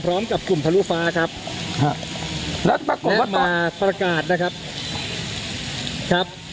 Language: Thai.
พร้อมกับกลุ่มทะลุฟ้าครับครับแล้วปรากฏว่ามาประกาศนะครับครับ